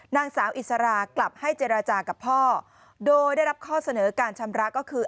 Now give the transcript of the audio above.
นางสาวอิสรากลับให้เจรจากับพ่อโดยได้รับข้อเสนอการชำระก็คือ